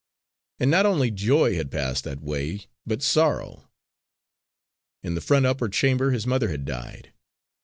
And not only joy had passed that way, but sorrow. In the front upper chamber his mother had died.